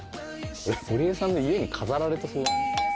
堀江さんの家に飾られてそう。